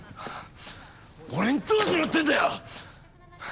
俺にどうしろっていうんだよ！